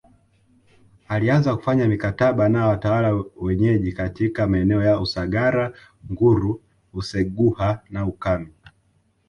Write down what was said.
Alianza kufanya mikataba na watawala wenyeji katika maeneo ya Usagara Nguru Useguha na Ukami